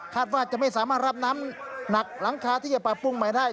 ว่าจะไม่สามารถรับน้ำหนักหลังคาที่จะปรับปรุงใหม่ได้